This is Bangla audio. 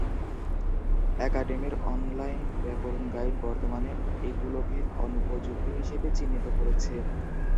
একাডেমির অনলাইন ব্যাকরণ গাইড বর্তমানে এগুলোকে "অনুপযুক্ত" হিসেবে চিহ্নিত করেছে।